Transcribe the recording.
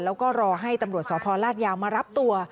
แล้วก็รอให้ตำรวจสพลาดยาวมารับตัว